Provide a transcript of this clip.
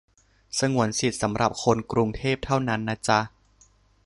สงวนสิทธิ์สำหรับคนกรุงเทพเท่านั้นนะจ๊ะ